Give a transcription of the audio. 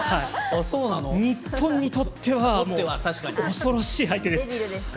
日本にとっては恐ろしい相手です。